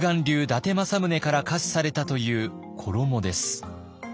伊達政宗から下賜されたという衣です。